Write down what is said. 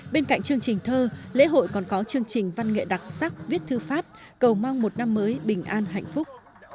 bên cạnh chương trình thơ lễ hội còn có chương trình văn nghệ đặc sắc viết thư pháp cầu mong một năm mới bình an hạnh phúc